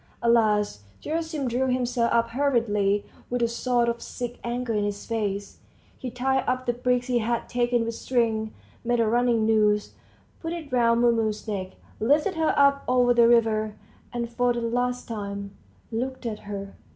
At last Gerasim drew himself up hurriedly, with a sort of sick anger in his face, he tied up the bricks he had taken with string, made a running noose, put it round Mumu's neck, lifted her up over the river, and for the last time looked at her.